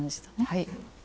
はい。